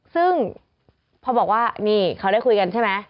ซึ่งพอบอกว่านี่เขาได้คุยกันใช่ไหม